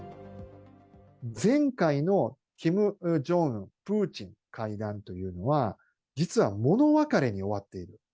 前回のキム・ジョンウン、プーチンの会談というのは、実は物別れに終わっている。